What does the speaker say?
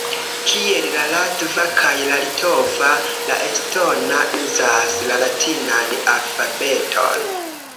Kiel la latva kaj la litova, la estona uzas la latinan alfabeton.